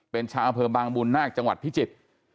เป็นชาวเผิมบางบุญนาคจังหวัดพิจิตย์